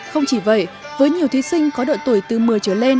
không chỉ vậy với nhiều thí sinh có độ tuổi từ một mươi trở lên